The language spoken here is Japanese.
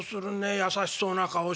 優しそうな顔して。